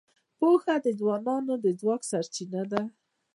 پوهه د ځوانانو د ځواک سرچینه ده.